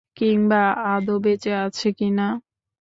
কিংবা আদৌ বেঁচে আছে কিনা?